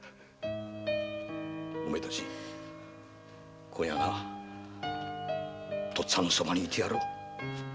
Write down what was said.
お前たち今夜は父っつぁんのそばに居てやろう。